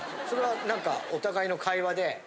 それは何かお互いの会話で。